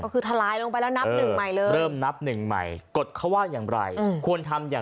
ก็คือทะลายลงไปแล้วนับหนึ่งใหม่เลย